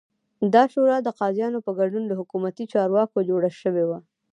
دا شورا د قاضیانو په ګډون له حکومتي چارواکو جوړه شوې وه